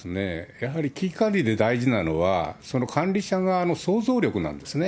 やはり危機管理で大事なのは、その管理者側の想像力なんですね。